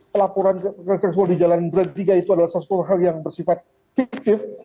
pelaporan seksual di jalan tiga itu adalah sesuatu hal yang bersifat kriptis